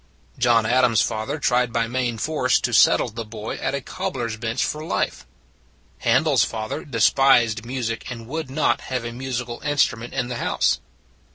John Adams s father tried by main force to settle the boy at a cobbler s bench for life. Handel s father despised music and would not have a musical instrument in the house.